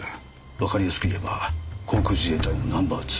わかりやすく言えば航空自衛隊のナンバー２。